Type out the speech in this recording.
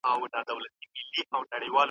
فلزات بې ارزښته نه دي.